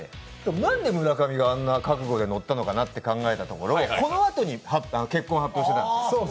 何で村上があんな覚悟で乗ったのかなって思ったところこのあとに結婚を発表してたんですよ。